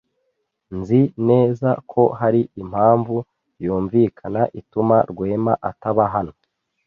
Nzi neza ko hari impamvu yumvikana ituma Rwema ataba hano.